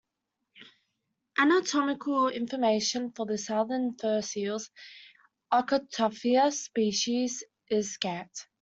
Anatomical information for the southern fur seals, "Arctocephalus" species, is scant.